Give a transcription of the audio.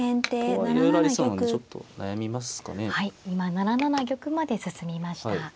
今７七玉まで進みました。